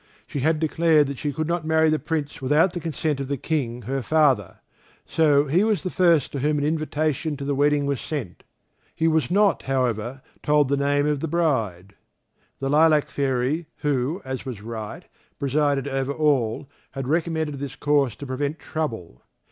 She had declared that she could not marry the Prince without the consent of the King her father, so, he was the first to whom an invitation to the wedding was sent; he was not, however, told the name of the bride. The Lilac fairy, who, as was right, presided over all, had recommended this course to prevent trouble.